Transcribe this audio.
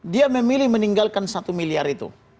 dia memilih meninggalkan satu miliar itu